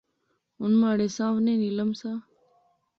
ہن مہاڑے ساونے نیلم سا